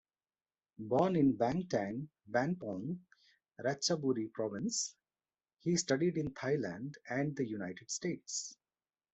Born in Bangtan-Banpong, Ratchaburi province, he studied in Thailand and the United States.